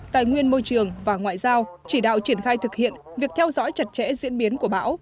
tài nguyên môi trường và ngoại giao chỉ đạo triển khai thực hiện việc theo dõi chặt chẽ diễn biến của bão